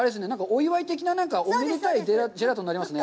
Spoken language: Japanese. お祝い的な、おめでたいジェラートになりますね。